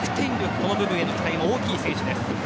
この部分への期待も大きい選手です。